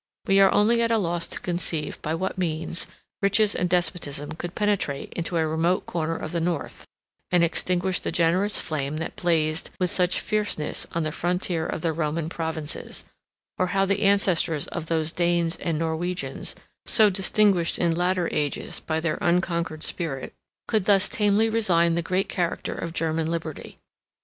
We are only at a loss to conceive by what means riches and despotism could penetrate into a remote corner of the North, and extinguish the generous flame that blazed with such fierceness on the frontier of the Roman provinces, or how the ancestors of those Danes and Norwegians, so distinguished in latter ages by their unconquered spirit, could thus tamely resign the great character of German liberty.